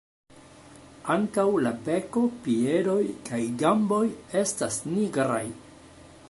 Ankaŭ la beko, piedoj kaj gamboj estas nigraj.